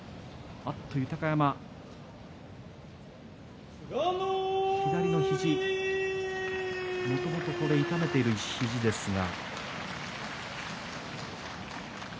豊山左の肘もともと痛めている肘ですが。